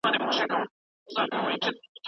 مصرف مې د بازار د وضعیت مطابق عیار کړی دی.